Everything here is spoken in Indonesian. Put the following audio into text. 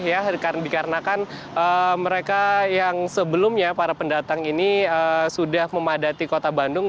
ya dikarenakan mereka yang sebelumnya para pendatang ini sudah memadati kota bandung